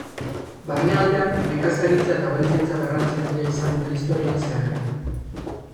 Barnealdean, nekazaritza eta abeltzaintza garrantzi handia izan dute historian zehar.